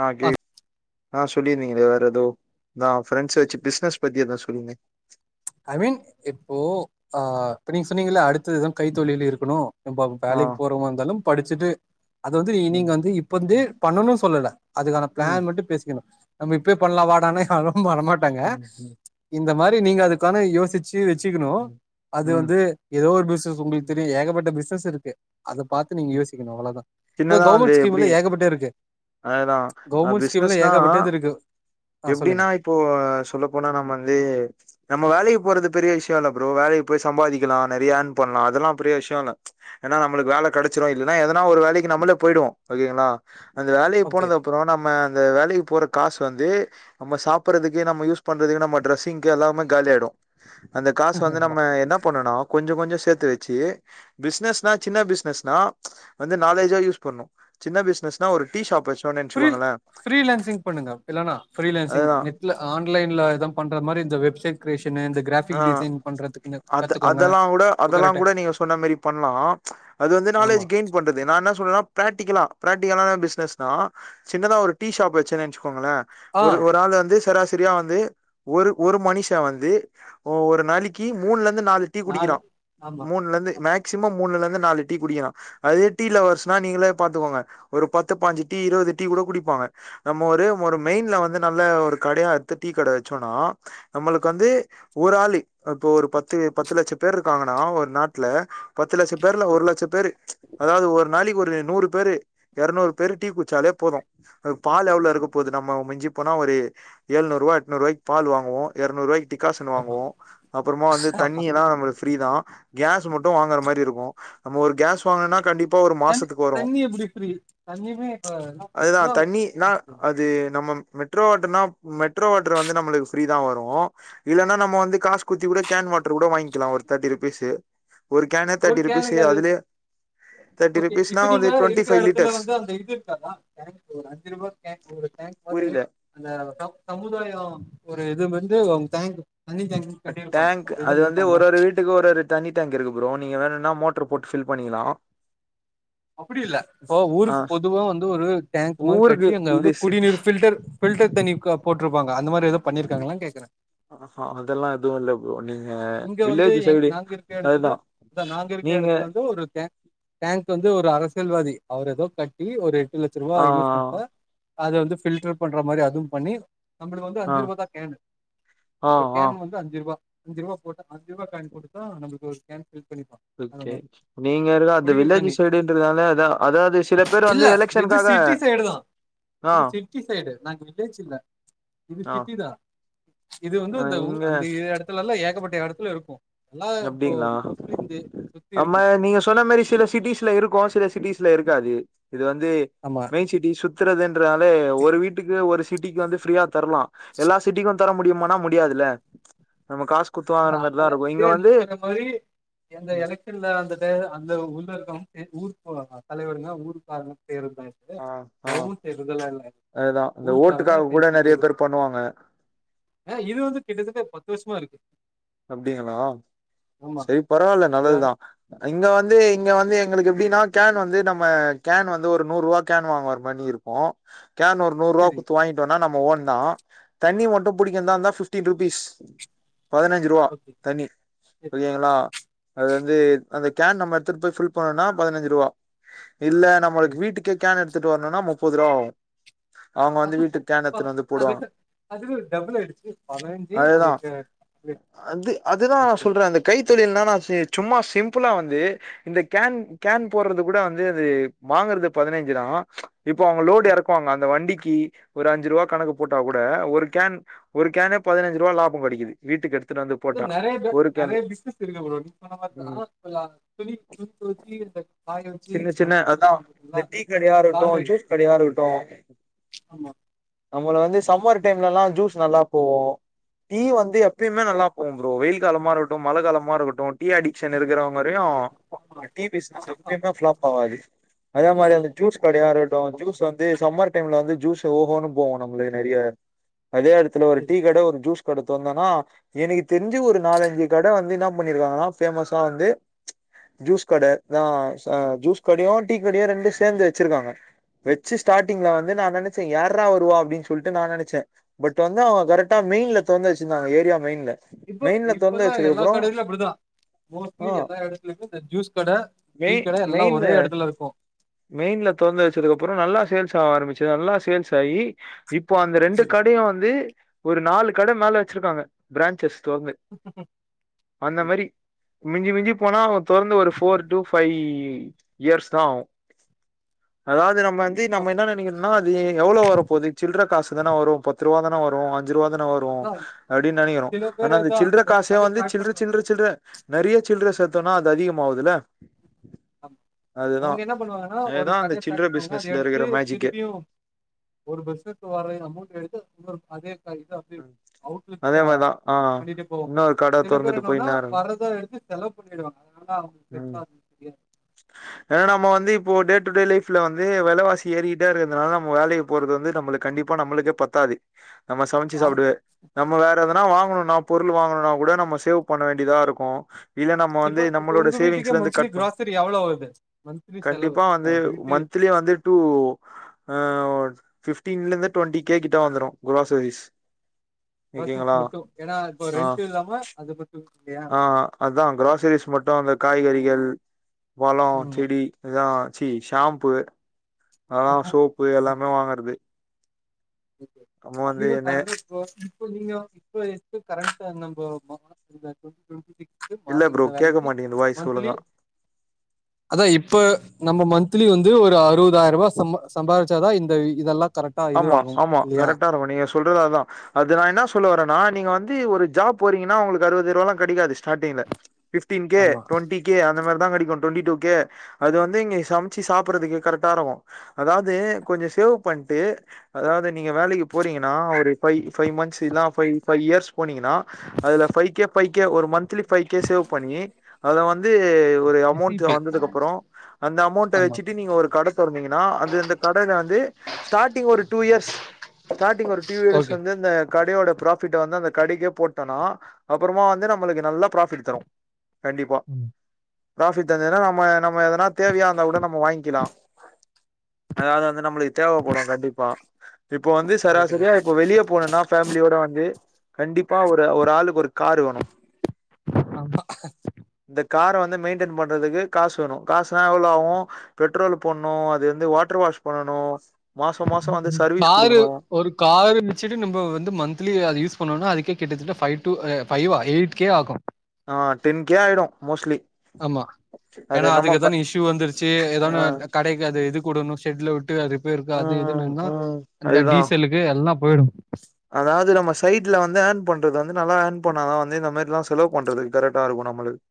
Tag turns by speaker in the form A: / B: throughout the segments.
A: ஹகே ஆஹ சொல்லிருந்தீங்களே வேற ஏதோ நா ஃப்ரெண்ட்ஸ் வெச்சு பிசினஸ் பத்தி எதோ சொல்லிருந்
B: ஐ மீன் இப்போ அஹ் இப்ப நீங்க சொன்னீங்க அடுத்தது எதும் கைத்தொழில் இருக்கணு ந
A: ஆ
B: வேலைக்கு போறோவங்களா இருந்தாலு படிச்சுட்டு அதது வந்து நீ நீங்க
A: ம்
B: வந்து இப்ப வந்து
A: ம்
B: பண்ணணுனு சொல்லல அதுக்கான
A: ம்
B: பிளான் மட்டு பேசிக்கணு நம்ம இப்பே பண்ணலா வாடானா யாரு வரமாட்டாங்க
A: ம் ம்
B: இந்த இந்த மாரி நீங்க அதுக்கு கான யோசி வெச்சுக்கணு
A: ம்
B: அது
A: ம்
B: வந்து எதோ ஒரு பிசினஸ் உங்களுக்கு தெரியு ஏகப்பட்ட பிசின சஸ் இருக்கு அத பாத்து நீங்க
A: ம்.
B: யோசிக்கணு அவ்ளதா இப்ப கவுவர்மெண்ட் ஸ்கீம் எல்லா ஏகப்பட்டது இருக்கு
A: அததா ஹ்
B: கவர்மெண்ட் ஸ்கீம்ல
A: பிசினஸ்னா
B: ஏகப்பட்டது இருக்கு ஆ
A: எப்டின்னா
B: சொல்லுங்க
A: இப்போ சொல்ல போனா நம்ம வந்து நம்ம வேலைக்கு போறது பெரிய விஷயம் இல்ல ப்ரோ வேலைக்கு போய் சம்பாதிக்கலா நெறைய ஏர்ன் பண்ணலா அதெல்லா பெரிய விஷய இல்ல ஏன்னா நம்மளுக்கு வேல கெடச்சிரு இல்லன்னா எதுனா ஒரு வேலக்கு நம்மளே போயிடுவோ ஓகேங்களா அந்த வேலைய போனது
B: ஓகே
A: அப்புறம் நம்ம அந்த வேலைக்கு போற காசு வந்து நம்ம சாப்பிடறதுக்கு நம்ம யூஸ் பண்றதுக்கு நம்ம ட்ரெஸ்ஸிங்க்கு எல்லாமே காலிய ஆயிடும் அந்த காசு வந்து நம்ம என்ன பண்ணனு கொஞ்சோ கொஞ்சோ வெச்சு பிசனஸ்னா சின்ன பிசினஸ்னா வந்து நாலேஜா யூஸ் பண்ணணு சின்ன பிசினஸ் நா ஒரு டீஷாப்ச்சு
B: பிரில பிரிலசிங்க் பண்ணுங்க இல்லனா பிரிலன்சிக்
A: அதுதா
B: நெட்ல ஆன்லைன்ல எதோ பண்ற மாரி இந்த வெப்சைட் கிரியேஷனு இந்த கிராஃபிக்
A: ஆஹ்
B: டிசைன் பண்றதுக்குன்னு
A: அது
B: கத்துக்கோங்க
A: அதெல்லா கூட அதெல்லா
B: புகரட்ட
A: கூட நீங்க சொன்ன மாரி பண்ணலா அது வந்து நாலேஜ்
B: ஆமா
A: கெயின் பண்றது நா என்ன சொல்றேன்னா பிராக்டிகலா பிராக்டிகலான பிசினஸ்ன தா சின்னதா ஒரு டீஷாப் வெச்சு ங்கள
B: ஆ
A: ஒரு ஒரு ஆள் வந்து சராசி சரியா வந்து ஒரு ஒரு மனுஷன் வந்து ஒரு நாளிக்கு மூணு ல நாலு டீ குடிக்கிற மூணுல இருந்து
B: ஆமா
A: மேக்சிமம் மூணுல இருந்து ன்னு நாலு டீ குடிக்கரா அதே டீ லோவெர்ஸ் நா நீங்களே பாத்துக்கோங்க ஒரு பாத்து பாஞ்சு டீ இருவது டீ கூட குடிப்பா அவ நம்ம ஒரே ஒரு மெய்ன்லவந்து நல்லா ஒரு கடையா எடுத்து டீ கட வெச்சோம்னா நம்மளுக்கு வந்து ஒரு ஆளு இப்ப ஒரு பத்து பத்து லட்சம் பேர் இருக்காங்கன்னா ஒரு நாட்டுல பத்து லட்சம் பேர்ல ஒரு லட்சம் பேரு அதாவது ஒரு நாளிக்கு ஒரு ல்ல நூறு பேறு இரநூறு டீ குடிச்சளே போது பால் எவ்ளோ இருக்க போது நம்ப மிஞ்சி போன ஒரு ஏல்னுருவ ஏட்னுருவய்க்கு பால் வகுவோ இர்னுருவைக்கு டிக்கா
B: ஆமா.
A: வாங்குவோ அப்பறமா வந்து தண்ணியெல்லா நம்ளுக் ஃப்ரீதா கேஸ் மட்டு வாங்குறா மாரி இருக்கு நம்ம ஒரு கேஸ் வாங்கொனுனா கண்டி
B: தண்ணி தண்ணி எப்டி ஃப்ரீ தண்ணிய்மே இப்ப
A: அதுதா தண்ணினா
B: [unintelligible]
A: அது நம்ம மெட்ரோ வாட்டர்னா மெட்ரோ வாட்டர் வந்து நம்மளுக்கு ஃப்ரீதா வரு இல்லன்னா நம்ம வந்து காஸ் குட்த்தி கூட கேன் வாட்ரு கூட வாய்ங்க்கிலா ஒரு தேட்டி ருபீஸு ஒரு கேனே
B: ஒரு
A: தேர்ட்டி ருபீஸ்
B: கேனுக்கு அது
A: அதுலயே தேர்ட்டி
B: ஓகே
A: ருபீஸ்னா
B: இப்ப
A: ஒரு
B: நீங்க
A: டுவெண்ட்டி
B: இருக்கற
A: ஃபைவ்
B: எடத்துல
A: லிட்டர்ஸ்
B: வந்து அந்த இது இருக்காதா ஒரு அஞ்சு ரூபா கேன் ஒரு கேன் வந்து
A: புரில
B: அந்த ச சமுதாய ஒரு இது வந்து அவங்க டேங்க் தண்ணி டேங்க் கட்டியிருப்பாங்க
A: டேங்க்
B: அப்டி
A: அது
B: எதானு
A: வந்து
B: இருக்காங்க
A: ஒரொரு வீட்டுக்கு ஒரொரு தண்ணி டேங்க் இருக்கு ப்ரோ நீங்க வேணுனா மோட்டர் போட்டு ஃபில் பண்ணிக்லா
B: அப்புடி இல்ல இப்பொ ஊருக் பொதுவா வந்து ஒரு டேங்க் மாரி கட்டி
A: ஊருக்கு
B: அங்க வந்து
A: இது சிட்டி
B: குடிநீர் ஃபில்டர் ஃபில்டர் தண்ணி க போட்ருப்பாங்க அந்த மாரி ஏதோ பண்ணிருக்காங்களான்னு கேக்குறே
A: ஆஹா அதெல்லா எதுவு இல்ல ப்ரோ நீங்க
B: இங்க வந்து
A: வில்லேஜ்
B: எ
A: சைடு
B: நாங்க இருக்க எடத்துல
A: அதுதா
B: அதா நாங்க இருக்க
A: நீங்க
B: எடத்துலெந்து ஒரு டே டேங்க் கு வந்து ஒரு அரசியல்வாதி அவர் எதோ கட்டி ஒரு எட்டு லட்சருவா
A: ஆ
B: இன்வெஸ்ட்மென்ட்ல அது வந்து ஃபில்டர் பண்ற மாரி அதும் பண்ணி நம்பளுக் வந்து
A: ஆ
B: அஞ்சு ருவா தா கேனு
A: ஆ
B: ஒரு
A: ஆ
B: கேன் வந்து அஞ்சு ருபா அஞ்சுருவா போட்டா அஞ்சுருவா காய்ன் குடுத்தா நம்மளுக்கு ஒரு கேன் ஃபில் பண்ணிப்பா அந்த
A: ஓகே
B: மாரி
A: நீங்க இருக்க அந்த
B: குடிகிற
A: வில்லேஜ்
B: தண்ணி,
A: சைடுன்றதுனால அதா அதாவது சில பேர் வந்து
B: இல்ல இது
A: எலெக்ஷனுக்காக
B: சிட்டி சைடுதா
A: ஆ
B: இது சிட்டி சைடு, நாங்க வில்லேஜ் இல்ல இது
A: ஆ
B: சிட்டிதா இது வந்து
A: அ
B: அந்த ஊ
A: இங்க
B: அந்த ஏ எடத்துலல்லா எ அந்த எடத்துல இருக்கு
A: அப்டிங்களா,
B: மோஸ்ட்லி இந்த சுத்தி
A: ஆமா
B: இருக்கு
A: நீங்க சொன்ன மாரி சில சிட்டீஸ்ல இருக்கு சில சிட்டீஸ்ல இருக் காது இது வந்து
B: ஆமா
A: மெயின் சிட்டி சுத் துறது ன்றனாலே ஒரு வீட்டுக்கு ஒரு சிட்டிக்கு வந்து ஃப்ரீயா தரலா எல்லா சிட்டிக்கு தர முடியுமானா முடியாதுல்ல நம்ம காசு குடுத்து வாங்கற மாரிதா இருக்கு இங்க வந்
B: சொன்ன மாரி எந்த எலைக்ஷன்ல அந்த டை அந்த உள்ள இருக்கவங்க செஞ்சு ஊரு போவாங்க தலைவருங்க ஊருக்காரங்க செய்றதுதா இது
A: ஆ ஆ
B: கவர்மெண்ட் செய்றதெல்லா இல்ல
A: அதுதா இந்த
B: ஊருக்காரங்க
A: ஓட்டுக்காக கூட
B: செஞ்சு
A: நெறைய
B: குடுக்குறது
A: பேர் பண்ணுவாங்க
B: கிட்டதட்ட பத்து வருஷமா இருக்கு
A: அப்டிங்களா
B: ஆமா
A: சேரி பரவால்ல
B: இதா
A: நல்லதுதா இங்க வந்து இங்க வந்து எங்களுக்கு எப்படினா கேன் வந்து நம்ம கேன் வந்து ஒரு நூறுவா கேன் வாங்கவர மாரி இருப்போ கேன் ஒரு நூறுவா
B: சரி
A: குடுத்து வாங்கிட்டோனா நம்ம ஓன் தா தண்ணி மட்டு புடிக்கந்தாந்தா ஃபிஃப்டீன் ருபீஸ் பதினைந் ஞ்சுருவா
B: ஓகே
A: தண்ணி
B: சரி
A: புரியிதுங்களா அதாது அந்த கேன் நம் எடுத்துட்டு போய் ஃபில் பண்ணனுனா பதுனஞ்சு ருவா இல்ல நம்மளுக்கு
B: ஓகே
A: வீட்டுக்கே கேன் எடு துட்டு வர்ணுனா முப்பதுருவா ஆவு
B: [unintelligible] அதுக்கு அதுக்கு டபுள் ஆடுச்சு பனஞ்சி
A: அதுதா
B: அதுக்கு
A: அது அதுதான் நான்
B: ஓகே
A: சொல்றேன் அந்த கைத்தொழில்னா நான் செய் சும்மா சிம்பிளாக வந்து இந்த கேன் கேன் போடுறது கூட வந்து அது வாங்குறது பதினஞ்சு தான் இப்போ அவங்க லோடு இறக்குவாங்க அந்த வண்டிக்கு ஒரு அஞ்சு ரூபா கணக்கு போட்டால் கூட ஒரு கேன் ஒரு கேனு பதினஞ்சு ரூபா லாபம் கிடைக்குது வீட்டுக்கு எடுத்
B: நெறைய பே நெறைய பிசினஸ் இருக்கு நீ சொன்ன
A: ம்
B: மாதிரிதான் துணி துணி வச்சு இந்த காய வ
A: சின்ன சின்ன அதான் இந்த டீ கடையா இருட்டும்
B: லாண்ட்ரி
A: ஜூஸ் கடையா இருக்கட்டும்
B: ஆமா
A: நம்மள வந்து சம்மர் டைம்ல எல்லா ஜூஸ் நல்லா போவோம் டீ வந்து எப்பயுமே நல்லா போம் ப்ரோ வெயில் காலமா இருக்கட்டும் மழை காலமா இருக்கட்டும் டீ அடிக்ஷன் இருக்கிறவங்கவரையும்
B: ஆமா
A: வ டி
B: ஆமா
A: பிசினஸ்
B: ஆமா
A: இப்பங்க ஃபிளாப் ஆகாது அதே மாதிரி அந்த ஜூஸ் கடைய இருக்க அப்புறோ ஜூஸ் வந்து சம்மர் டைம்ல வந்து ஜூஸ் ஓகோன்னு போவோம் நம்மளுக்கு நெறைய அதே இடத்துல ஒரு
B: சரி
A: டீ கட ஒரு ஜூஸ் கட தொரோந்தன எனக்கு தெரிஞ்சு ஒரு நாலஞ்சு கட வந்து என்ன பண்ணிருக்காங்கன்னா பேமஸா வந்து ச்சு ஜூஸ் கட தா ஆ ஜூஸ் கடையோ டீ கடையோ ரெண்டு சேர்ந்து வச்சிருக்காங்க வச்சு ஸ்டார்ட்டிங் வந்து நினைச்சேன் யாரரா வருவா அப்படின்னு சொல்லிட்டு நான் நினைச்சேன் பட் வந்து அவங்க கரெக்டா மெயின்ல தொறந்து வச்சிருந்தாங்க ஏரியா மெயின்ல
B: இப்ப
A: மெயின்ல
B: இப்ப
A: தொறந்து
B: எல்லா
A: வச்சதுக்கு
B: எல்லா
A: அப்புறோ
B: கடையிலும் அப்படிதான்
A: ஆ
B: மோஸ்ட்லி எல்லா இடத்துலுமே இந்த ஜூஸ் கடை டீ கடை எல்
A: மெயின்னு மெயின்ல தொறந்து வச்சதுக்கு அப்புறோ நல்லா சேல்ஸ் ஆக ஆரம்பிச்சது அதெல்லா சேல்ஸ் ஆகி இப்போ அந்த ரெண்டு
B: சரி
A: கடையும் வந்து ஒரு நாலு கட மேல வச்சிருக்காங்க பிரான்ஞ்சஸ் தொறந்து அந்த மாரி மிஞ்சி மிஞ்சி போன ஒரு தொடர்ந்து ஒரு ஃபோர் டூ ஃபைவ் இயர்ஸ் தான் ஆகும் அதாவது நான் வந்து நம்ம என்ன நெனைக்கிறேனா அது எவ்ளோ வரும் போது சில்ற காசு தானே வரும் பத்து ரூபா தான் வரும் அந்த அஞ்சு ருபாதான வரும்
B: அதா
A: அப்படின்னு நெனைக்கிறோ
B: சில
A: ஆனா
B: பேர்
A: அந்த
B: அதா
A: சில்லற
B: ஒரு
A: காசையா
B: கடைய
A: வந்து
B: ஸ்டார்ட்
A: சில்லற
B: பண்ணுவாங்க
A: சில்லற சில்லற நறிய சில்ர சேத்தோன்னா அது அதிகம் ஆவுதுல
B: அவுங்க என்ன பண்ணுவாங்கன்னா ஒரு
A: அதுதா அந்த
B: கடைய்
A: சில்ற
B: ஸ்டார் பண்வாங்க அத
A: பிசினஸ்ல
B: எட்த்து
A: இருக்கிற மேஜிக்கே
B: திருப்பியு ஒரு பிஸ்கட்கு வாரயிர் அமோண்ட் எடுத்து அத் இன்னொரு அகேன் இது அப்டி அவுக்ளிப்சா
A: அதே மாரிதா ஆ
B: பண்ணிட்டு போ
A: இன்னொரு கட
B: சில பேர்
A: தொறந்துட்டு போய்
B: என்னோன்னா
A: நேரோ
B: வரதா எடுத்து செலவ் பண்ணிடுவாங்க அதனால்தா
A: ம்
B: பெர்சா தெரியா
A: ஏன்னா நம்ம வந்து இப்போ டே டு டே லைப்ல வந்து வெலவாசி ஏறிகிட்டே இருக்கற்துனால நம்ம வேலக்கி போறது வந்து நம்மளுக்கு கண்டிப்பா நம்மளுக்கே பத்தாது நம்ம சி
B: ஆமா
A: சாப்டுவே நம்ம வேற ஏதா எதனா வாங்கணுனா பொருள் வாங்கணுனா கூட நம்ம சேவ் பண்ண வேண்டியதா இருக்கு இத நம்ம வந்து
B: இப்ப இப்ப
A: நம்மளோட
B: உங்க வீட்டுக்கே
A: சேவிங்ஸ்லந்து
B: மந்த்லி
A: கட் பண்ண
B: கிராசரி எவ்வளவு ஆகுது மந்த்லி செலவு
A: கண்டிப்பா
B: இப்ப
A: வந்து
B: வீட்டு
A: மன்த்லி வந்து டூ ஃபிப்டின்லெந்து டுவெண்ட்டி கே கிட்ட வந்துடு க்ராசரிஸ்
B: க்ராசரிஸ் மட்டு ஏனா இப்ப
A: ஆ
B: ரெண்ட்டு இல்லாம அது மட்டு
A: ஆ அதா கிராசரிஸ் மட்டு அந்த காய்கறி கள் வள
B: ம்.
A: செடி இதா சீ ஷாம்ப்பு அதா சோப்பு எல்லாமே வாங்கறது நம்ம வந்து
B: அப்டில்லா
A: என்ன
B: [unintelligible] இப்ப நீங்க வந்து இப்ப இருக்க கரன்ட்டா என்ன ப்ரோ
A: இல்ல ப்ரோ கேட்க மாட்டேங்குது வாய்ஸ் ஒழுங்கா
B: [inaudible] அதா இப்ப நம்ம மன்த்லி வந்து ஒரு அறுவதாயிருவா சம்பா சம்பாதிச்சாதா இந்த இதெல்லா கரெக்டா இது
A: ஆமா
B: ஆகு
A: ஆமா கரெக்டா இருக்கு நீங்க சொல்றது அதா அது நா என்னா சொல்ல வரனா நீங்க வந்து ஒ ரு ஜாப் போறீங்கனா உங்களுக்கு அறுவதாய்ருவாலா கெடைக்காது ஸ்டாட்டிங்ல ஃபிஃப்டீன் கே
B: ஆமா
A: டுவெண்டி கே அந்த மாரி தா கெடைக்கு ட்வெண்டி டூ கே அது வந்து இங்க சம்ச்சி சாப்புர்றதுக்கே கரெக்ட்டா இருக்கு அதாவ்து கொஞ்சொ சேவ் பண் ட்டு அதாவ்து நீங்க வேலக்கி போறீங்கனா ஒ ரு ஃபை ஃபை மந்த்ஸ் இல்னா ஃபை ஃபை இயர்ஸ் போனீங்கன்னா அதுல ஃபை கே ஃபை கே ஒரு மன்த்லி ஃபை கே சேவ் பண்ணி அத வ ந்து ஒரு அமௌண்ட் வந்ததுக்கப்பறோ அந்த அமௌண்ட
B: ஆமா
A: வச்சுட்டு நீங்க ஒரு கட தொறந்தீங்கன்னா அது அந்த கடைல வந்து ஸ்டாட்டிங் ஒரு டூ இயர்ஸ் ஸ்டாட்டிங் ஒரு டூ டியர்ஸ்
B: ஓகே
A: வந்து இந்த கடையோட ப்ரா ஃபிட்ட வந்து அந்த கடைக்கே போட்டனா அப்பறமா வந்து நம்மளுக்கு நல்லா ப்ராஃபிட் தரு கண்டிப்பா
B: ம்.
A: ஃப்ராஃபிட் தந்தத்னா நம்ம நம்ம எதனா தேவையா இந்தா கூட நம்ம வாய்ங்க்கிலா அதாவ்து வந்து நம்ம தேவைப்படும் கண்டிப்பா இப்போ வந்து
B: கரெக்ட்
A: சராசரியா
B: கரெக்ட்
A: இப்ப வெளிய போனும்னா ஃபேமிலியோட வந்து கண்டிப்பா ஒரு ஒரு ஆளுக்கு ஒரு காரு வேணும்
B: ஆமா
A: இந்த கார வந்து மெயின்டெய்ன் பண்றதுக்கு காசு வேணும் காசுனா எவ்ளோ ஆவும் பெட்ரோல் போட்ணும் அது வந்து வாட்டர் வாஷ் பண்ணனும்
B: காரு ஒரு காரு வச்சுட்டு நம்ம வந்து மந்த்லி அது யூஸ் பண்ணோனா அதுக்கே கிட்டத்தட்ட ஃபை டூ ஃபைவா எயிட் கே ஆகும்
A: ஆஹ் டென் கே ஆயிடும் மோஸ்ட்லி
B: ஆமா ஏன்னா
A: அது
B: அதுக்கு
A: நம்ம
B: ஏதான இஷ்யூ வந்துருச்சு ஏதான
A: ஆ
B: கடைக்கு அது இதுக்வுடணும் ஷெட்ல விட்டு அது ரிப்பேருக்கு அது
A: ம்
B: இதுன்னா
A: ம்
B: ட
A: அதுதா
B: டீசலுக்கு எல்லாம் போய்டும்
A: இதுக்கு வந்து நல்ல ஆன் பண்ணா வந்து இந்த மாரிலாம் செலவு பண்றது கரெக்டா இருக்கு நம்மளுக்கு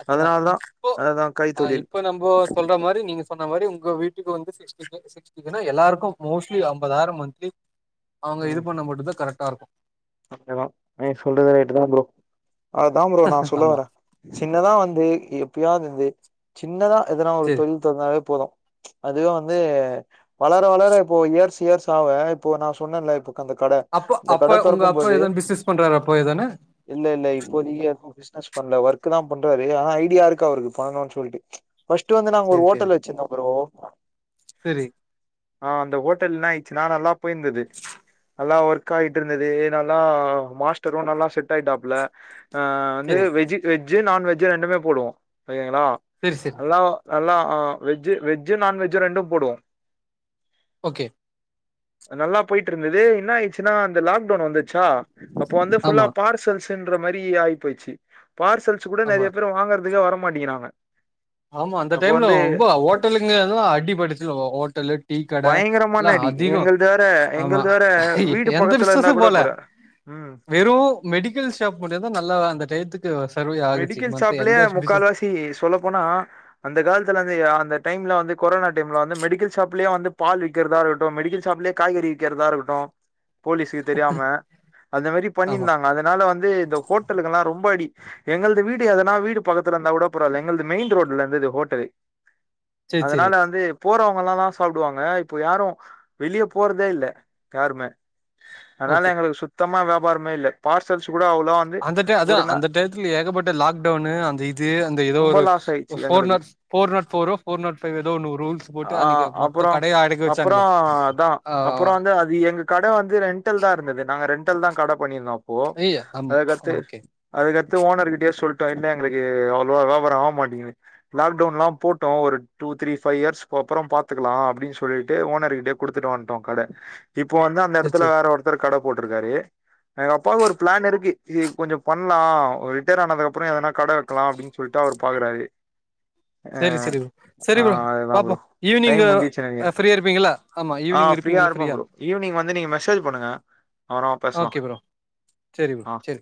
B: அதா
A: அதனால தா
B: இப்போ
A: அதுதா
B: ஆஹ்
A: கைத்தொழில்
B: இப்போ நம்ம சொல்ற மாதிரி நீங்க சொன்ன மாதிரி உங்க வீட்டுக்கு [inaudible] வந்துஎல்லாருக்கும் மோஸ்ட்லி ஐம்பந்தயிரம் மந்த்லி அவங்க இது பண்ண மட்டும் தா கரெக்டா இருக்கும்
A: நா சொல்றது ரைட்டு தா ப்ரோ அததா பு்ரோ நா சொல்ல
B: ஆமா
A: வறேன் சின்னதா வந்து எப்படியாவது து சின்னதா எதுனா ஒரு
B: சரி
A: தொழில் தொடந்தாவே போதும் அதுவும் வந்து வளர வளர இப்போ இயர்சு இயர்சு ஆவ இப்போ நா சொன்னேன்ல இப்ப அந்த கட
B: அப்போ
A: இந்த கட
B: அப்ப உங்க
A: தொறக்கும்
B: அப்பா
A: போது
B: ஏத பிசினஸ் பண்றாரு அப்பா எதானே
A: பிஸ்னஸ் பண்ணல ஒர்க்க் தா பண்றாரு ஆனா ஐடியா இருக்கு அவரு பண்ணணும்ன்னனு சொல்லிட்டு பர்ஸ்ட் வந்து நா ஒரு
B: சேரி சேரி
A: ஹோட்டல் வச்சிருந்தோம் ப்ரோ
B: செரி
A: ஹ் அந்த ஹோட்டல் நல்லா போயிருந்தது அல்ல அவர்ககு கயட்டு இருந்தது நல்லா மாஸ்டரும் நல்லா செட் ஆயிட்டாப்ல வந்து
B: செரி
A: வெஜ் வெஜ்ஜ நான்வெஜ்ஜ் ரெண்டுமே போடுவோம் ங்களா
B: செரி செரி
A: நல்லா நல்லா வெஜ்ஜு வெஜ்ஜு நான்வெஜ் ரெண்டும் போடுவோம்
B: ஓகே
A: நல்லா போயிட்டு இருந்தது என்ன ஆயச்சுன்னா லாக்டவுன் வந்துச்சா அப்போ வந்து பஃபுல்லா
B: ஆமா
A: பார்சல்ஸ் பண்ற மாதிரி ஆயி போய்ச்சு பார்சல்ஸ் கூட
B: ஆமா
A: நிறைய பேரு வாங்கறதுக்க வர மாட்டிங்றாங்க
B: ஆமா அந்த டைம்ல ரொம்ப ஹோட்டலுங்க ளா அடிப்பட்டுச்சு ஹோ ட்டலு டீ கடை எல்லா
A: பயங்கரமான அடி
B: அதிக
A: எங்கள்து வேற
B: ஆமா
A: எங்கள்து வேற வீடு
B: எந்த
A: பக்கத்துல இருந்தா
B: பிசினஸ்சும்
A: கூட
B: போல
A: போற ம்
B: வெறு மெடிக்கல் ஷாப் மட்டுந் தா நல்லா அந்த டயத்துக்
A: மெடிக்கல் ஷாப்லயே முக்கால்வாசி சொல்ல போனா அந்த காலத்துல வந்து அந்த டைம்ல வந்து கொரோனா டைம்ல வந்து மெடிக்கல் ஷாப்லயே வந்து பால் விக்கிறதா இருக்கட்டு மெடிக்கல் ஷாப்லயே காய்கறி விக்கிறதா இருக்கட்டு போலீஸ்க்க தெரியாம அந்த மாரி
B: ஆமா
A: பண்ணிருந்தாங்க அதனால வந்து இந்த ஹோட்டலுகல்லா ரொம்ப அடி எங்களது வீடு எதனா வீடு பக்கத்துல இருந்தா கூட பரவால எங்குளது மெயின் ரோட்ல இருந்துது ஹோட்டலு
B: சேரி சேரி
A: அதனால வந்து போறவங்க எல்லாந் தான சாப்டுவாங்க இப்ப யாரு வெளியே போறதே இல்ல யாருமே அதனால
B: ஓகே
A: எங்களுக்கு சுத்தமா வ்யா பாரமே இல்ல பார்சல்ஸ் கூட அவ்ளோ வந்து
B: அந்த ட அதா
A: ஒரு நா
B: அந்த டயத்துல ஏகப்பட்ட லாக்டவுன்னு அந்த இது அந்த ஏதோ
A: ரொம்ப
B: ஒரு
A: லாஸ் ஆயிடுச்சு
B: ஃபோர்ட்
A: எங்களுக்கு
B: நாட் ஃபோர் நாட் ஃபரோ போர் நாட் ஃபைவ் ஏதோ ஒன்னு ரூல்ஸ் போட்டு
A: ஆ
B: அன்னைக்கு மொத்த
A: அப்புறோ
B: கடைய அடைக்க
A: அப்புறோ
B: வச்சாங்கள
A: அதா அப்புறோ
B: ஆஹ
A: வந்து அது ல் தா கடை பண்ணிருந்தோ போ அதுக்கத்து
B: ஓகே
A: அதுக்க து ஓனர்கிட்டயே சொல்லிட்டோ இல்ல எங்களுக்கு அவ்வளவா வியாபார ஆக மாட்டங்குது லாக்டவுன் எல்லா போட்டோ ஒரு டூ த்ரீ பஃபைவ் இயர்ஸ்க்கு அப்புற பாத்துக்கலா அப்படின்னு சொல்லிட்டு ஓனர்கிட்டயே குடுத்துட்டு வந்துட்டோ கடை இப்போ வந்து அந்த
B: சேரி சேரி
A: இடத்துல வேற ஒருத்தரு கடை போட்டிருக்காரு எங்க அப்பாக்கு ஒரு பிளான் இருக்கு இது கொஞ்ச பண்லா அவுரு ரிட்டர்டு ஆனதுக்கு அப்பற எதனா கடை வெக்கலா அப்படினு சொல்ட்டு அவுரு பாக்குறாரு
B: சரி
A: ஆஹ்
B: சரி ப்ரோ சரி ப்ரோ
A: ஆஹ் அதுதா
B: பாப்போ
A: ப்ரோ டைம்
B: ஈவினிங்கு
A: முடுஞ்சிச்சு எனக்கு மெசேஜ் பண்ணுங்க
B: ஃப்ரீயா இருப்பீங்களா ஆமா ஈவினிங்
A: ஆஹ் ஃப்ரீயா
B: இருப்பீங்கள
A: இருப்பம் ப்ரோ ஈவினிங் வந்து நீங்க மெசேஜ் பண்ணுங்க அப்றமா பேசலாம்
B: ஓகே ப்ரோ சரி ப்ரோ
A: ஆஹ்
B: சரி